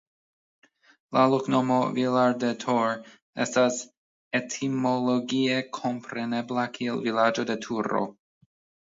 La loknomo "Villar de Torre" estas etimologie komprenebla kiel "Vilaĝo de Turo".